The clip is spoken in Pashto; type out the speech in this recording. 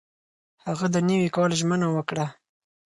هغه د نوي کال ژمنه وکړه.